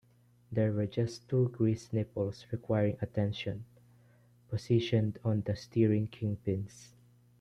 There were just two grease nipples requiring attention, positioned on the steering kingpins.